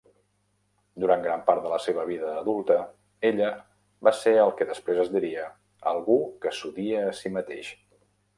Durant gran part de la seva vida adulta, ella va ser el que després es diria "algú que s"odia a si mateix".